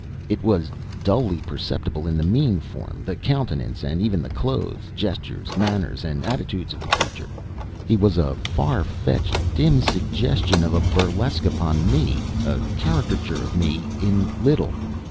It was dully perceptible in the mean form, the countenance, and even the clothes, gestures, manner, and attitudes of the creature. He was a farfetched, dim suggestion of a burlesque upon me, a caricature of me in little.